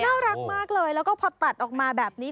น่ารักมากเลยแล้วก็พอตัดออกมาแบบนี้